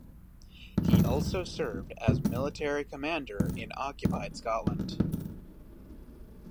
He also served as military commander in occupied Scotland.